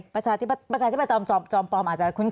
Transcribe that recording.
ประชาธิปัติประจอมอาจจะคุ้นนะ